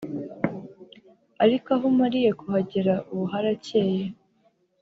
ariko aho umariye kuhagera ubu harakeye